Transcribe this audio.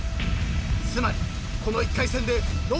［つまりこの１回戦で］